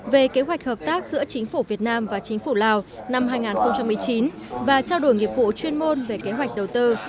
về kế hoạch hợp tác giữa chính phủ việt nam và chính phủ lào năm hai nghìn một mươi chín và trao đổi nghiệp vụ chuyên môn về kế hoạch đầu tư